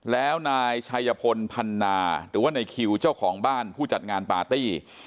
แล้วนายชัยพลพันนาหรือว่าในคิวเจ้าของบ้านผู้จัดงานปาร์ตี้